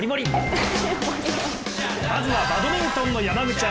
まずはバドミントンの山口茜。